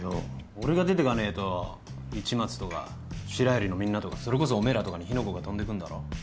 俺が出てかねえと市松とか白百合のみんなとかそれこそおめえらとかに火の粉が飛んでくんだろ？